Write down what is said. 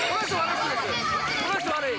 この人悪い。